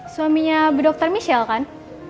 suaminya berdokter michelle kan